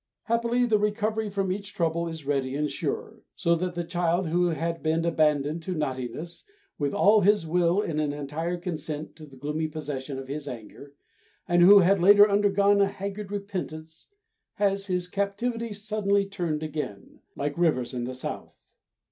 Happily the recovery from each trouble is ready and sure; so that the child who had been abandoned to naughtiness with all his will in an entire consent to the gloomy possession of his anger, and who had later undergone a haggard repentance, has his captivity suddenly turned again, "like rivers in the south."